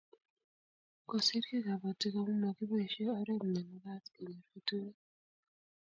Koisirgei kabotik amu makiboish oret ne makat kenyor keturek